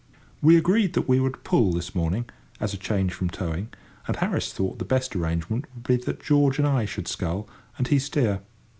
We agreed that we would pull this morning, as a change from towing; and Harris thought the best arrangement would be that George and I should scull, and he steer.